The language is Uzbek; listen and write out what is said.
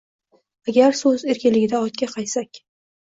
«Agar so‘z erkinligida ortga qaytsak